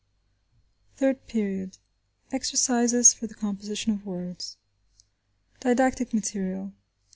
THIRD PERIOD: EXERCISES FOR THE COMPOSITION OF WORDS Didactic Material.